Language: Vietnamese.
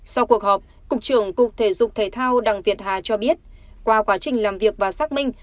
sau cuộc họp cục trưởng cục thể dục thể thao đặng việt hà cho biết qua quá trình làm việc và xác minh